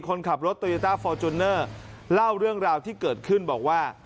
คนขับรถโตโยต้าฟอร์จูเนอร์เล่าเรื่องราวที่เกิดขึ้นบอกว่า